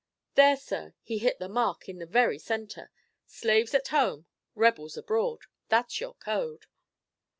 There, sir, he hit the mark in the very centre. Slaves at home, rebels abroad, that's your code!"